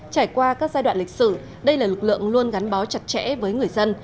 trải qua các giai đoạn lịch sử đây là lực lượng luôn gắn bó chặt chẽ với người dân